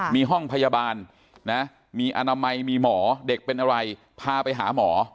มีห้องพยาบาลนะมีอนามัยมีหมอเด็กเป็นอะไรพาไปหาหมอ